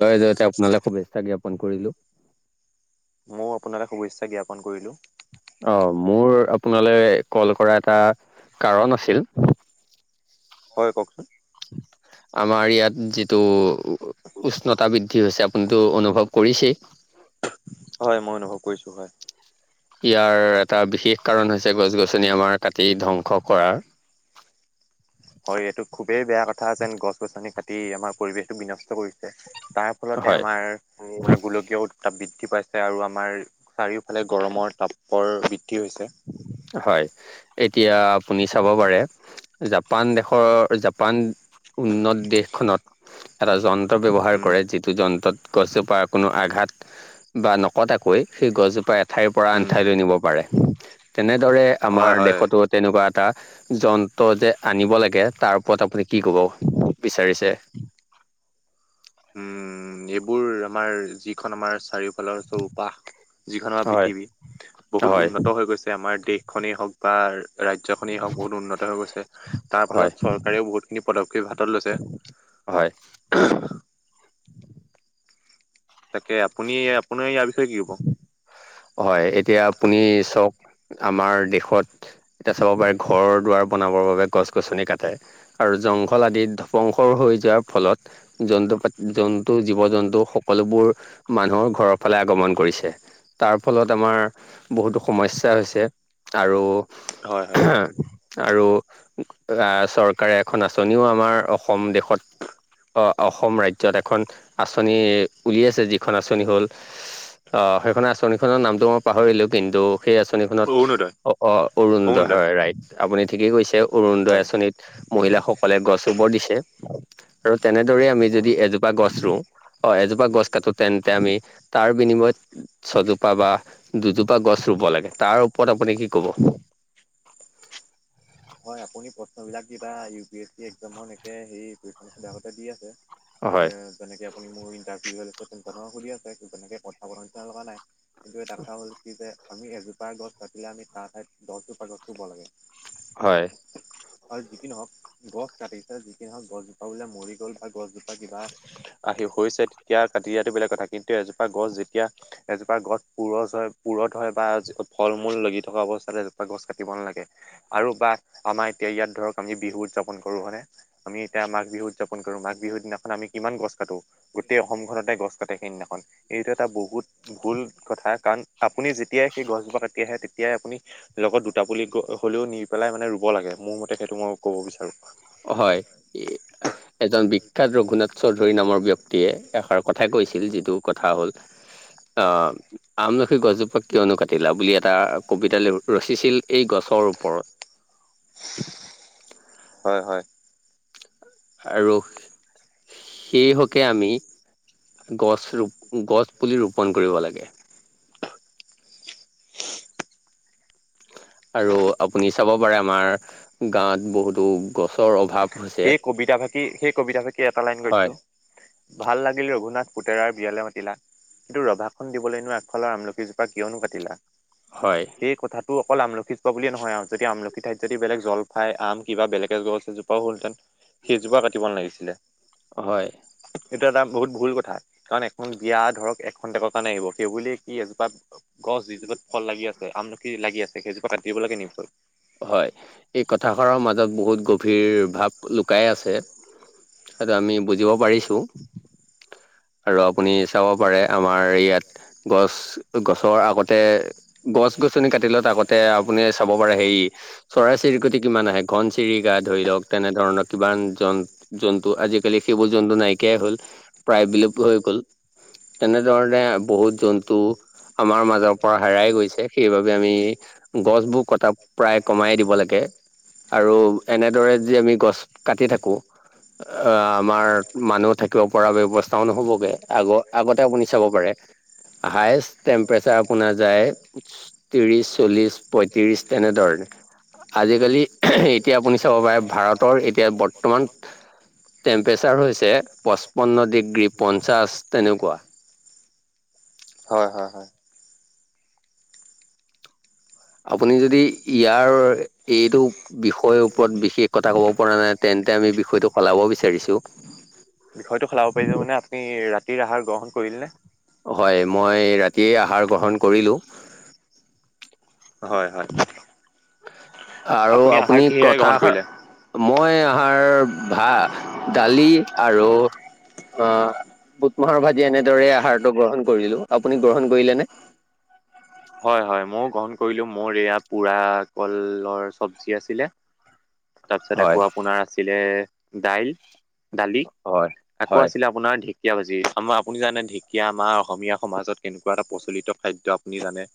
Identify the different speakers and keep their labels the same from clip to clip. Speaker 1: জয় জয়তে আপোনালৈ শুভেচ্ছা জ্ঞাপন কৰিলো।
Speaker 2: ময়ো আপোনালৈ শুভেচ্ছা জ্ঞাপন কৰিলো।
Speaker 1: অ', মোৰ আপোনালৈ কল, কৰা এটা কাৰণ আছিল।
Speaker 2: হয় কওকচোন?
Speaker 1: আমাৰ ইয়াত যিটো উষ্ণতা, বৃদ্ধি হৈছে আপুনিতো অনুভৱ কৰিছেই।
Speaker 2: হয় মই অনুভৱ কৰিছো হয়।
Speaker 1: ইয়াৰ এটা বিশেষ কাৰণ হৈছে গছ গছনি আমাৰ কাটি ধ্বংস কৰাৰ
Speaker 2: হয় এইটো খুবেই বেয়া কথা যেন গছ গছনি কাটি আমাৰ পৰিৱেশটো বিনষ্ট কৰিছে তাৰ ফলতে আমাৰ আনাৰ গোলকীয় উত্তাপ বৃদ্ধি পাইছে। আৰু আমাৰ চাৰিওফালে গৰমৰ তাপৰ, বৃদ্ধি হৈছে।
Speaker 1: হয় এতিয়া আপুনি চাব পাৰে। জাপান, দেশৰ জাপান, উন্নত দেশখনত এটা যন্ত্ৰ, ব্যৱহাৰ কৰে যিটো যন্ত্ৰত গছৰ, পৰা কোনো আঘাত। বা নকটাকৈ সেই গছজোপা এঠাইৰ পৰা আনঠাইলৈ নিব পাৰে। তেনেদৰে আমাৰ দেশতো তেনেকুৱা এটা। যন্ত্ৰ, যে আনিব লাগে তাৰ ওপৰত আপুনি কি ক'ব বিচাৰিছে।
Speaker 2: আমাৰ যিখন আমাৰ চাৰিওফালৰ চৌবাঁহ। যিখন আমাৰ পৃথিৱী বহুত উন্নত হৈ গৈছে আমাৰ দেশখনেই হওক বা ৰাজ্য, খনেই হওক বহুত উন্নত হৈ গৈছে। তাৰ ফলত চৰকাৰেও বহুতখিনি পদক্ষেপ হাতত লৈছে।
Speaker 1: হয়।
Speaker 2: উম। তাকে, আপুনি, আপোনাৰ ইয়াৰ- থাকিব।
Speaker 1: হয়, এতিয়া আপুনি চাওঁক আমাৰ দেশত- এতিয়া চাব পাৰে ঘৰ- দুৱাৰ বনাবৰ বাবে গছ -গছনি কাটে। আৰু জংঘল আদিত ধবংসৰ হৈ যোৱাৰ ফলত- জন্তু পাটি, জন্তু, জীৱ-জন্তু সকলোবোৰ মানুহৰ ঘৰৰ ফালে আগমন- কৰিছে। তাৰ ফলত আমাৰ বহুতো সমস্যা হৈছে আৰু-
Speaker 2: হয়-হয়।
Speaker 1: হাঁ, আৰু আঁহ চৰকাৰে এখন আঁচনিও আমাৰ অসম দেশত- অসম ৰাজ্যত এখন আঁচনি উলিয়াইছে যিখন আঁচনি হ'ল- আহ', সেইখন আঁচনিখনৰ নামটো মই পাহৰিলো কিন্তু সেই আঁচনিখনত- অ' অৰুনোদয় হয় ৰাইট, আপুনি ঠিকেই কৈছে অৰুনোদয় আঁচনিত- মহিলাসকলে গছ ৰুবৰ দিছে আৰু তেনেদৰে আমি যদি এজোপা গছ ৰুওঁ। হয়, এজোপা গছ কাটোতে তেন্তে আমি তাৰ বিনিময়ত- ছজোপা বা দুজোপা গছ ৰুব লাগে, তাৰ ওপৰত আপুনি কি ক'ব?
Speaker 2: হয়, আপুনি বিলাক কিবা ইউ পি এছি এক্জামৰ কেশনগতে দি আছে এ। যেনেকে আপুনি মোৰ ইটাৰভিউছে তেখেতক সুধি আছে তেনেকে কথা পাতি লগা নাই। কিন্তু এটা কথা হ'ল কি যে আমি এজোপা গছ কাটিলে আমি তাৰ ঠাইত দহজোপা গছ ৰুব লাগে।
Speaker 1: হয়।
Speaker 2: হয়, যি কি নহওঁক গছ কাটিছে যি কি হওঁক গছজোপা বোলে মৰি গ'ল বা গছজোপা কিবা আহি হৈছে তেতিয়া কাটি দিয়াতটো বেলেগ কথা কিন্তু এজোপা গছ যেতিয়া- এজোপা গছ পুৰঠ হয়, পুৰঠ হয় বা ফল মূল লাগি থকা অৱস্থাত এজোপা গছ কাটিব নালাগে। আৰু বা আমাৰ এতিয়া ইয়াত ধৰক আমি বিহু উদযাপন কৰো হয় নে। আমি এতিয়া মাঘ বিহু উদযাপন কৰো মা বিহুৰ দিনাখন আমি কিমান গছ কাটো। গোটেই অসমখনতে গছ কাটে সেইদিনাখন, এইটো এটা বহুত- ভুল কথা কাৰণ আপুনি যেতিয়াই সেই গছজোপা কাটি আহে তেতিয়াই আপুনি- লগত দুটা পুলি হলেও নি পেলাই মানে ৰুব লাগে, মোৰ মতে সেইটো মই কব বিচাৰো।
Speaker 1: হয়। এজন বিখ্যাত ৰঘুনাথ চৌধুৰী নামৰ ব্যক্তিয়ে এষাৰ কথা কৈছিল যিটো কথা হ'ল অঁহ। আমলখি গছজোপা কিয়নো কাটিলা বুলি এটা কবিতা ৰচিছিল এই গছৰ ওপৰত।
Speaker 2: হয়-হয়।
Speaker 1: আৰু- সেই হকে আমি গছ-ৰো গছ পুলি ৰোপন কৰিব লাগে। আৰু আপুনি চাব পাৰে আমাৰ গাঁত বহুতো গছৰ অভাৱ।
Speaker 2: সেই কবিতা ফাকি সেই কবিতা ফাকি এটা লাইন গাইছোঁ। ভাল লাগিলেও ৰঘুনাথ পুতেৰাৰ বিয়ালে মাতিলা। কিন্তু ৰভাখন দিবলৈনো আগফালৰ আমলখিজোপা কিয়নো কাটিলা।
Speaker 1: হয়।
Speaker 2: সেই কথাটো অকল আমলখিজোপা বুলিয়ে নহয় আৰু যদি আমলখি ঠাইত যদি বেলেগ জলফাই, আম কিবা বেলেগে গছ এজোপা হ'ল- সেইজোপা কাটিব নালাগিছিলে। এইটো এটা বহুত ভুল কথা কাৰণ এখন বিয়া ধৰক এখন টেকৰ কাৰণে আহিব সেই বুলিয়ে কি এজোপা গছ যিজোপাত ফল লাগি আছে, আমলখি লাগি আছে সেইজোপা কাট দিব লাগে নি [inaudible]
Speaker 1: হয়, এই কথাষাৰৰ মাজত বহুত গভীৰ ভাৱ লুকাই আছে। সেইটো আমি বুজিব পাৰিছো। আৰু আপুনি চাব পাৰে, আমাৰ ইয়াত গছ ত গছৰ আগতে, গছ - গছনি কাটি লোৱাত আগতে আপুনি চাব পাৰে হেৰি চৰাই - চিৰিকটি কিমান আহে, ঘন চিৰিকা ধৰি লওক তেনে ধৰণৰ কিমান জন জন্তু, আজিকালি সেইবোৰ জন্তু নাইকিয়াই হ'ল, প্ৰায় বিলোপ হৈ গ'ল। তেনেধৰণে বহুত জন্তু আমাৰ মাজৰ পৰা হেৰাই গৈছে সেইবাবে আমি গছবোৰ কটা প্ৰায় কমাই দিব লাগে আৰু এনেদৰে যি আমি গছ কাটি থাকোঁ আ আমাৰ মানুহ থাকিব পৰা ব্যৱস্থাও নহবগে, আগ আগতে আপুনি চাব পাৰে। হায়েষ্ট টেম্প্ৰেচাৰ আপোনাৰ যায় ত্ৰিশ, চল্লিছ, পয়ত্ৰিশ তেনেধৰণে। আজিকালি এহে এতিয়া আপুনি চাব পাৰে ভাৰতৰ এতিয়া বৰ্তমান টেম্পেৰেচাৰ হৈছে, পঁচপন্ন ডিগ্ৰী, পঞ্চাছ তেনেকুৱা।
Speaker 2: হয় হয় হয়।
Speaker 1: আপুনি যদি ইয়াৰ এইটো বিষয়ৰ ওপৰত বিশেষ কথা ক'ব পৰা নাই তেন্তে আমি বিষয়টো সলাব বিচাৰিছো।
Speaker 2: বিষয়টো সলাব পাৰিলো মানে আপুনি ৰাতিৰ আহাৰ গ্ৰহণ কৰিলে নে?
Speaker 1: অ হয়, মই ৰাতিয়ে আহাৰ গ্ৰহণ কৰিলোঁ।
Speaker 2: হয় হয়।
Speaker 1: আৰু আপুনি কথা এষাৰ মই আহাৰ ভা, দালি আৰু অ বুট মাহৰ ভাজি এনেদৰে আহাৰটো গ্ৰহণ কৰিলো, আপুনি গ্ৰহণ কৰিলে নে?
Speaker 2: হয় হয়, মইও গ্ৰহণ কৰিলো, মোৰ এয়া পোৰা কলৰ চব্জি আছিলে। তাৰপিছত আকৌ আপোনাৰ আছিলে দাইল দালি আকৌ আছিলে আপোনাৰ ঢি কীয়া বাজি, আমা আপুনি জানে ঢেকীয়া আমাৰ অসমীয়া সমাজত কেনেকুৱা এটা প্ৰচলিত খাদ্য আপুনি জানে?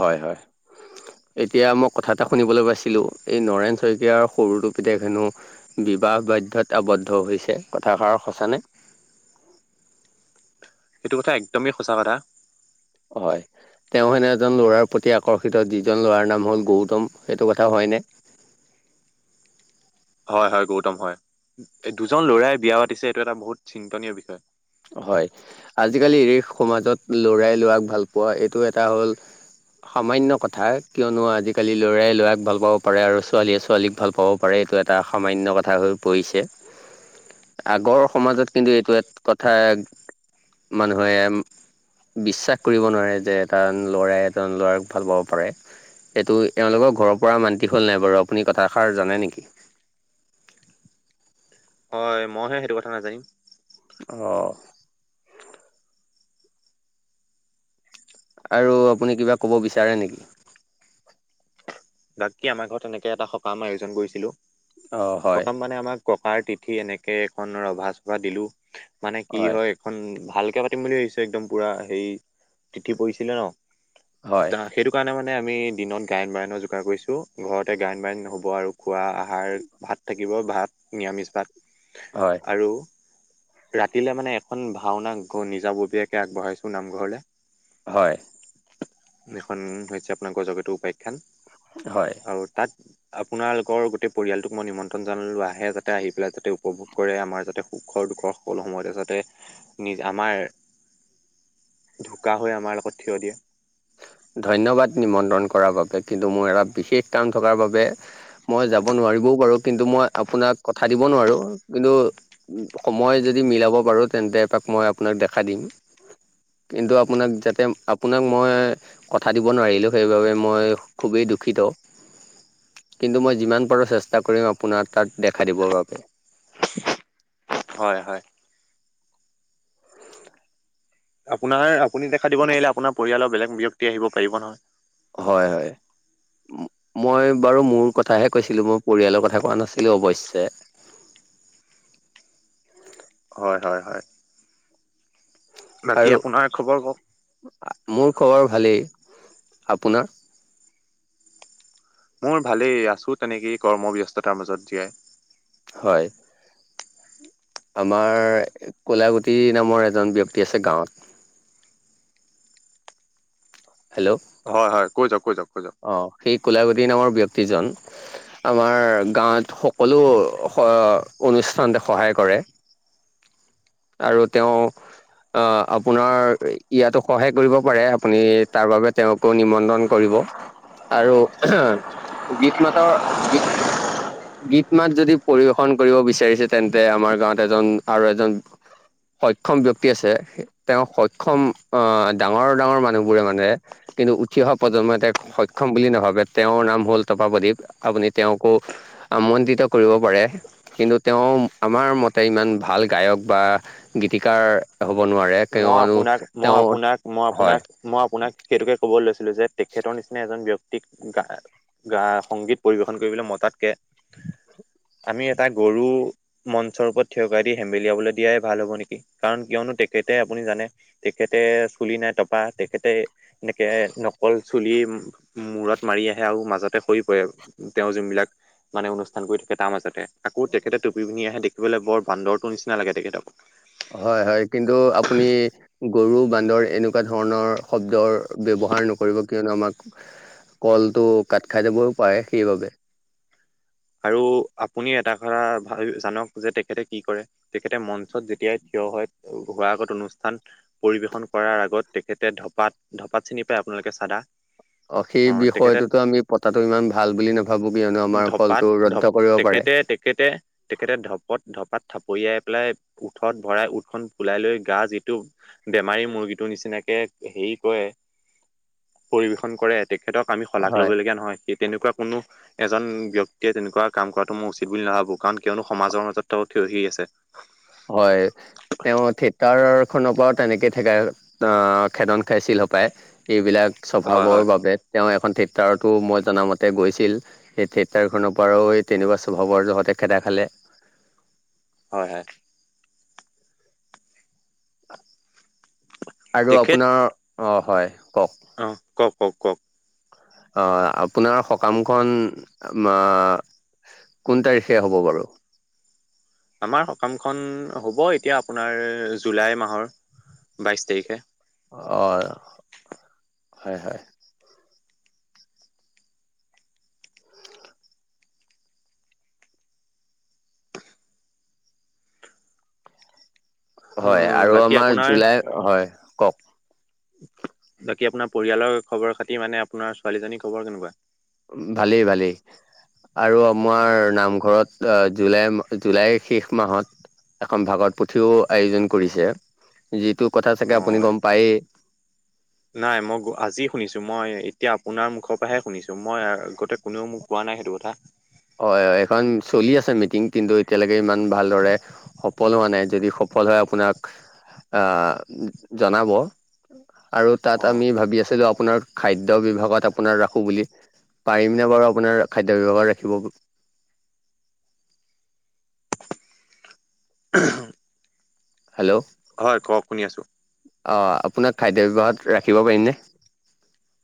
Speaker 1: হয় হয়। এতিয়া মই কথা এটা শুনিবলৈ পাইছিলোঁ, এই নৰেন শইকীয়াৰ সৰুটো পিতেক হেনো বিবাহ বাধ্যতা আৱদ্ধ হৈছে কথাষাৰ সঁচা নে?
Speaker 2: সেইটো কথা একদমেই সঁচা কথা।
Speaker 1: হয়। তেওঁ হেনে এজন লৰাৰ প্ৰতি আকৰ্ষিত যিজন লৰাৰ নাম হল গৌতম সেইটো কথা হয়নে?
Speaker 2: হয় হয় গৌতম হয়, এ দুজন ল'ৰাই বিয়া পাতিছে এইটো এটা বহুত চিন্তনীয় বিষয়।
Speaker 1: হয়, আজিকালি এই সমাজত লৰাই লৰাক ভাল পোৱা এইটো এটা হ'ল সামান্য কথা কিয়নো আজিকালি ল'ৰাই ল'ৰাক ভাল পাব পাৰে আৰু ছোৱালীয়ে ছোৱালীক ভাল পাব পাৰে এইটো এটা সামান্য কথা হৈ পৰিছে, আগৰ সমাজত কিন্তু এইটো কথা মানুহে বিশ্বাস কৰিব নোৱাৰে যে এটা ল'ৰাই এজন ল'ৰাক ভাল পাব পাৰে। এইটো এওঁলোকৰ ঘৰৰ পৰা মান্তি হ'ল নাই বাৰু আপুনি কথা এষাৰ জানে নেকি?
Speaker 2: হয়, মইহে সেইটো কথা নাজানিম।
Speaker 1: অঁ। আৰু আপুনি কিবা ক'ব বিচাৰে নেকি?
Speaker 2: বাকী আমাৰ ঘৰত তেনেকে এটা সকাম আয়োজন কৰিছিলো, সকাম মানে আমাক ককাৰ তিথি এনেকে এখন ৰভা চভা দিলোঁ। মানে কি হয় খন ভালকে পাতিম বুলি ভাবিছো একদম পুৰা হেই তিথি পৰিছিলে ন। তা সেইটো কাৰণে মানে আমি দিনত গায়ন বায়নৰ যো গাৰ কৰিছোঁ ঘৰতে গায়ন বায়ন হ'ব আৰু খোৱা আহাৰ ভাত থাকিব ভাত। নিয়মিষ ভাত।
Speaker 1: হয়।
Speaker 2: আৰু ৰাতিলে মানে এখন ভাওঁনা ঘ নিজাববীয়াকে আগবঢ়াইছো নামঘৰলে।
Speaker 1: হয়।
Speaker 2: এখন হৈছে আপোনাৰ গজগেতু উপাখ্যান।
Speaker 1: হয়।
Speaker 2: আৰু তাত। আপোনালোকৰ গোটেই পৰিয়ালটোক মই নিমন্ত্ৰন জনালোঁ, আহে যাতে আহি পেলাই যাতে উপভোগ কৰে আমাৰ যাতে সুখৰ দুখৰ সকলো সময়তে যাতে নিজ আমাৰ ঢোকা হৈ আমাৰ লগত থিয় দিয়ে।
Speaker 1: ধন্যবাদ নিমন্ত্ৰণ কৰাৰ বাবে, কিন্তু মোৰ এটা বিশেষ কাম থকাৰ বাবে মই যাব নোৱাৰিবও পাৰো কিন্তু মই আপোনাক কথা দিবও নোৱাৰো, কিন্তু ও সময় যদি মিলাব পাৰো, তেন্তে এপাক মই আপোনাক দেখাই দিম। কিন্তু আপোনাক যাতে, আপোনাক মই কথা দিব নোৱাৰিলো, সেইবাবে মই খুবেই দুখিত। কিন্তু মই যিমান পাৰোঁ চেষ্টা কৰিম, আপোনাৰ তাত দেখা দিবৰ বাবে।
Speaker 2: হয় হয়। আপোনাৰ আপুনি দেখা দিব নোৱাৰিলে, আপোনাৰ পৰিয়ালৰ বেলেগ ব্যক্তি আহিব পাৰিব নহয়।
Speaker 1: হয় হয়। ম মই বাৰু মোৰ কথাহে কৈছিলো মোৰ পৰিয়ালৰ কথা কোৱা নাছিলো অৱশ্যে।
Speaker 2: হয় হয় হয়। বাকী আপোনাৰ খবৰ কওঁক।
Speaker 1: মোৰ খবৰ ভালেই, আপোনাৰ?
Speaker 2: মোৰ ভালেই, আছোঁ তেনেকেই কৰ্মব্যস্ততাৰ মাজত জীয়াই।
Speaker 1: হয়। আমাৰ কলাগুটি নামৰ এজন ব্যক্তি আছে গাঁৱত। হেল্ল'ও
Speaker 2: হয় হয় কৈ যাওক কৈ যাওক কৈ যাওক।
Speaker 1: অঁ, সেই কলাৱতি নামৰ ব্যক্তিজন আমাৰ গাঁৱত সকলো হ' অনুষ্ঠানতে সহায় কৰে। আৰু তেওঁ, অঁ আপোনাৰ ইয়াতো সহায় কৰিব পাৰে। আপুনি তাৰ বাবে তেওঁক গৈ নিমণ্ট্ৰণ কৰিব আৰু [unintelligible] গীত মাতৰ গীত গীত মাত যদি পৰিবেশন কৰিব বিচাৰিছে, তেন্তে আমাৰ গাঁৱত এজন আৰু এজন সক্ষম ব্যক্তি আছে, তেওঁ সক্ষম, ডাঙৰ ডাঙৰ মানুহবোৰে মানে কিন্তু উঠি অহা প্ৰজন্মই তেওঁক সক্ষম বুলি নভাবে, তেওঁৰ নাম হ'ল তপাপ্ৰদ্বীপ আপুনি তেওঁকো আমন্ত্ৰিত কৰিব পাৰে। কিন্তু তেওঁ আমাৰ মতে ইমান ভাল গায়ক বা গীতিকাৰ হ'ব নোৱাৰ
Speaker 2: মই আপোনাক, মই আপোনাক, মই আপোনাক মই আপোনাক সেইটোকে ক'ব লৈছিলো যে, তেখেতৰ নিচিনা এজন ব্যক্তিক‌ গা গা সংগীত পৰিবেশন কৰিবলৈ মতাতকে আমি এটা গৰু মঞ্চৰ ওপৰত থিয়কৰাই দি হেমেলিয়াব দিয়াই ভাল হ'ব নেকি। কাৰণ কিয়নো তেখে তে আপুনি জানে তেখেতে চুলি নাই টপা তেখেতে এনেকে নকল চুলি মূৰত মাৰি আহে আৰু মাজতে হৰি পৰে তেওঁ যোনবিলাক মানে অনুষ্ঠান কৰি থাকে তাৰ মাজতে। আকৌ তেখেতে টুপি পিন্ধি আহে দেখিবলৈ বৰ বান্দৰটো নিচিনা লাগে তেখেতক।
Speaker 1: হয় হয়, কিন্তু আপুনি গৰু বান্দৰ এনেকুৱা ধৰণৰ শব্দৰ ব্যৱহাৰ নকৰিব কিয়নো আমাক কলটো কাট খাই যাবও পাৰে সেইবাবে।
Speaker 2: আৰু আপুনি এটা কথা ভাবি জানক যে তেখেতে কি কৰে। তেখেতে মঞ্চত যেতিয়াই থিয় হয় হোৱাৰ আগত অনুষ্ঠান পৰিৱেশন কৰাৰ আগত তেখেতে ধপাত ধপাত চিনি পায় আপোনালোকে চাদা
Speaker 1: অ সেই বিষয়টোতো আমি পতাটো ইমান ভাল বুলি নাভাবো কিয়নো আমাৰ কলটো ৰত্ব কৰিব পাৰে।
Speaker 2: তেখেতে তেখেতে ধপত ধপাত থাপৰিয়াই পেলাই উঠত ভৰাই উঠখন ফুলাই লৈ গা যিটো বেমাৰী মুৰ্গীটো নিচিনাকে হেৰি কৰে। পৰিবেশন কৰে, তেখেতক আমি শলাগ ল'ব লগগীয়া নহয় সেই তেনেকুৱা কোনো এজন ব্য ক্তিয়ে তেনেকুৱা কাম কৰাটো মই উচিত বুলি নাভাবোঁ কাৰণ কিয়নো সমাজৰ মাজত তেওঁ থিয় হৈ আছে।
Speaker 1: হয়। তেওঁ থিয়েটাৰ খনৰ পৰাও তেনেকে ঠেকা আহ খেদন খাইছিল সপায়। এইবিলাক স্বভাৱৰ বাবে তেওঁ এখন থিয়েটাৰতো মই জনামতে গৈছিল। সেই থিয়েটাৰখনৰ পৰাও এই তেনেকুৱা স্বভাৱৰ লগতে খেদা খালে।
Speaker 2: হয় হয়।
Speaker 1: আৰু আপোনাৰ অ হয় কওক।
Speaker 2: অঁ কওক কওক কওক।
Speaker 1: অ আপোনাৰ সকামখন আঁ কোন তাৰিখে হ'ব বাৰু?
Speaker 2: আমাৰ সকামখন হ'ব এতিয়া আপোনাৰ জুলাই মাহৰ।
Speaker 1: অ, হয় হয়। হয় আৰু আমাৰ জুলাই হয়।
Speaker 2: বাকী আপোনাৰ পৰিয়ালৰ খবৰ খাতি মানে আপোনাৰ ছোৱালীজনীৰ খবৰ কেনেকুৱা?
Speaker 1: ভালেই ভালেই আৰু আমাৰ নামঘৰত জুলাই মাহ জুলাইৰ শেষ মাহত এখন ভাগত পুথিও আয়োজন কৰিছে। যিটো কথা চাগে আপুনি গম পায়েই।
Speaker 2: নাই মই আজি শুনিছোঁ মই এতিয়া আপোনাৰ মুখৰ পৰাহে শুনিছোঁ মই আগতে কোনেও মোক কোৱা নাই সেইটো কথা।
Speaker 1: হয় হয় এইখন চলি আছে মিটিং কিন্তু এতিয়ালৈকে ইমান ভাল দৰে সফল হোৱা নাই যদি সফল হয় আপোনাক আহ জনাব। আৰু তাত আমি ভাবি আছো যে আপোনাক খাদ্যৰ বিভাগত আপোনাক ৰাখো বুলি, পাৰিম নে বাৰু আপোনাৰ খাদ্য বিভাগত ৰাখিব?
Speaker 2: [inaudible] হয় কওক শুনি আছো।
Speaker 1: অ আপোনাক খাদ্য বিভাগত ৰাখিব পাৰিম নে?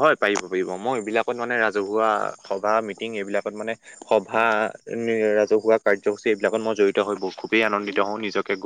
Speaker 2: হয় পাৰিব পাৰিব। মই এইবিলাকত মানে ৰাজহুৱা সভা মিটিং এইবিলাকত মানে সভা ৰাজহুৱা, কাৰ্যসূচী এইবিলাকত মই জড়িত হৈ ব খুবেই আনন্দিত হওঁ নিজকে